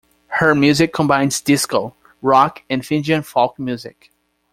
Her music combines disco, rock and Fijian folk music.